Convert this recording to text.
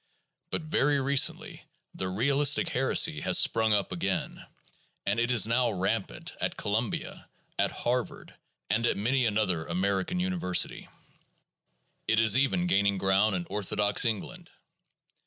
But very recently the realistic heresy has sprung up again, and it is now rampant at Co lumbia, at Harvard, and at many another American university; it is even gaining ground in orthodox England.